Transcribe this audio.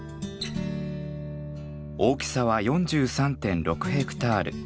大きさは４３．６ヘクタール。